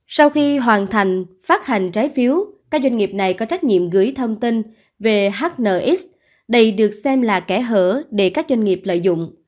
sau khi hoàn thành phát hành trái phiếu các doanh nghiệp này có trách nhiệm gửi thông tin về hnx đây được xem là kẻ hở để các doanh nghiệp lợi dụng